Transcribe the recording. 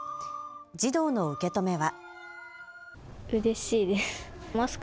児童の受け止めは。